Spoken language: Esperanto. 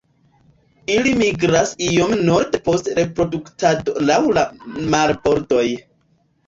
Ili migras iom norde post reproduktado laŭ la marbordoj.